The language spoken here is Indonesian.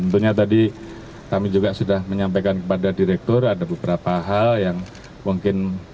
tentunya tadi kami juga sudah menyampaikan kepada direktur ada beberapa hal yang mungkin